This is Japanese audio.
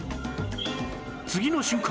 次の瞬間